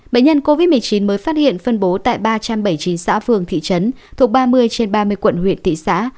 bệnh nhân covid một mươi chín mới phát hiện phân bố tại ba trăm bảy mươi chín xã phường thị trấn thuộc ba mươi trên ba mươi quận huyện thị xã